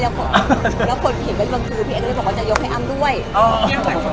อ้าวพูดไม่ได้อ่ะตรงกับพี่เอ๋เพราะว่ามันเป็นเรื่องถึงอันด้วยเหมือนกัน